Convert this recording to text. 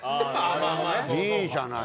いいじゃない。